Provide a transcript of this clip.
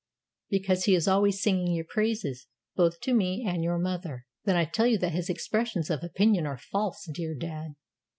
"Because he is always singing your praises, both to me and your mother." "Then I tell you that his expressions of opinion are false, dear dad."